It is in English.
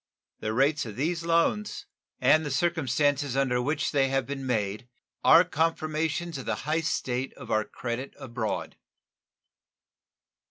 The rates of these loans and the circumstances under which they have been made are confirmations of the high state of our credit abroad.